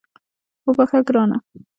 وبخښه ګرانه